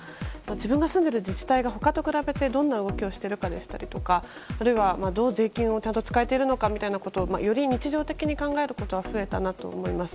自分が住んでいる自治体が他と比べてどんな動きをしているかですとかあるいは税金をちゃんと使えているのかということをより日常的に考えることが増えたなと思います。